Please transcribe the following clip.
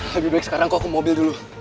lebih baik sekarang kok ke mobil dulu